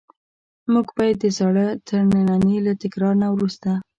موږ به یې د زاړه ترننی له تکرار نه وروسته.